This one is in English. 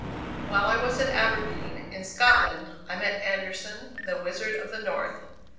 While I was at Aberdeen, in Scotland, I met Anderson, the "Wizard of the North."